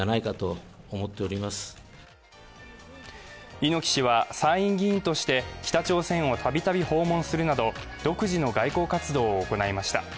猪木氏は参院議員として北朝鮮をたびたび訪問するなど独自の外交活動を行いました。